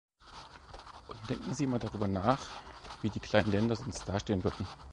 Und denken Sie mal darüber nach, wie die kleinen Länder sonst dastehen würden.